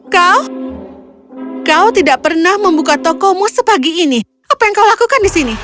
kau kau tidak pernah membuka tokomu sepagi ini apa yang kau lakukan di sini